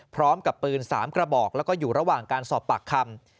พร้อมกับปืน๓กระบอกแล้วก็อยู่ระหว่างการสอบปากคำ